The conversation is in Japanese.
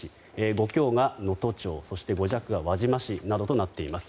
５強が能登町５弱が輪島市となっています。